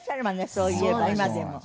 そういえば今でも。